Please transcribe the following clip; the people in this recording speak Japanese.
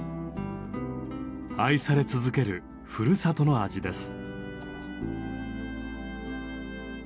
愛され続けるふるさとの味です。